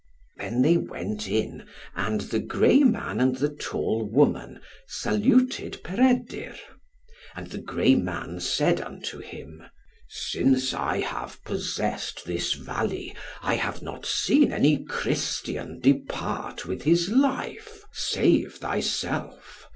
Then they went in, and the grey man and the tall woman saluted Peredur. And the grey man said unto him, "Since I have possessed this valley, I have not seen any Christian depart with his life, save thyself.